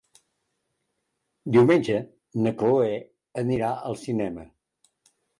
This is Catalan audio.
Diumenge na Cloè anirà al cinema.